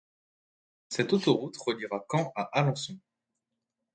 Cette autoroute reliera Caen à Alençon.